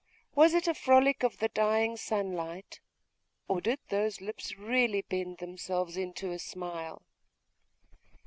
was it a frolic of the dying sunlight? or did those lips really bend themselves into a smile?